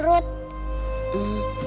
bisa buat ngajin pelurut